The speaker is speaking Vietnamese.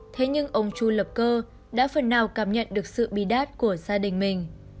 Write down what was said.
thế nhưng ông chu lập cơ đã phần nào cảm nhận được sự bi đát của gia đình mình